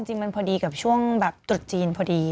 จริงมันพอดีกับช่วงแบบตรุษจีนพอดี